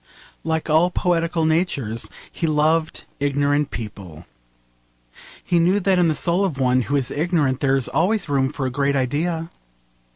Like all poetical natures he loved ignorant people. He knew that in the soul of one who is ignorant there is always room for a great idea.